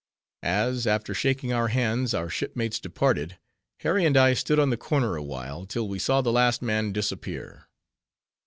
As, after shaking our hands, our shipmates departed, Harry and I stood on the corner awhile, till we saw the last man disappear.